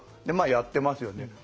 でまあやってますよね。